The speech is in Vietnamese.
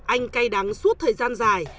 anh cay đắng suốt thời gian dài